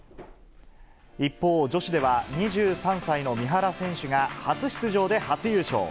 一方、女子では２３歳の三原選手が、初出場で初優勝。